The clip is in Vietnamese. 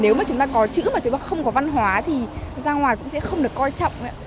nếu mà chúng ta có chữ mà chúng ta không có văn hóa thì ra ngoài cũng sẽ không được coi trọng